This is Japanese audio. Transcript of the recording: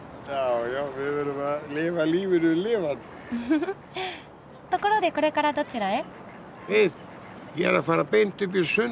フフフッところでこれからどちらへ？